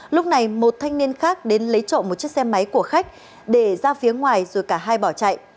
lúc này một thanh niên khác đến lấy trộm một chiếc xe máy của khách để ra phía ngoài rồi cả hai bỏ chạy